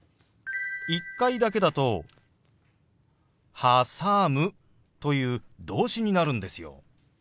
１回だけだと「はさむ」という動詞になるんですよ。